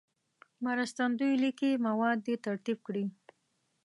مرستندوی لیکلي مواد دې ترتیب کړي.